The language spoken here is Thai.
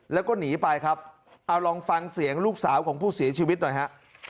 แล้วก็หนีไปครับเอาลองฟังเสียงลูกสาวของผู้เสียชีวิตหน่อยฮะ